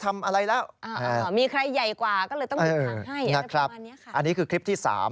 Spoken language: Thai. อันนี้คือคลิปที่๓